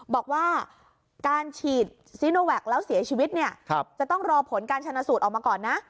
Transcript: บอกว่าการฉีดซีโนแวคแล้วเสียชีวิตเนี่ยจะต้องรอผลการชนะสูตรออกมาก่อนนะ